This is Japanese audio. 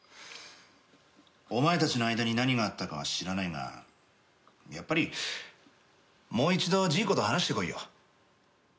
お前たちの間に何があったかは知らないがやっぱりもう一度ジーコと話してこいよ。